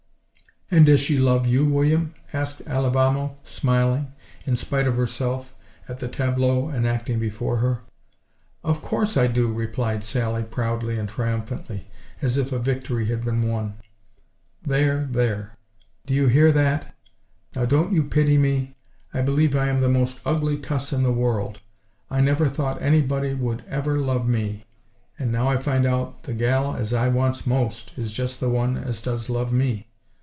"And does she love you, William?" asked Alibamo, smiling in spite of herself at the tableau enacting before her. "Of course I do!" replied Sally, proudly and triumphantly, as if a victory had been won. "There—there! Do you hear that? Now, don't you pity me? I believe I am the most ugly cuss in the world. I never thought anybody would ever love me, and now I find out the gal as I wants most is just the one as does love me!